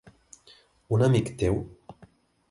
Un amic teu?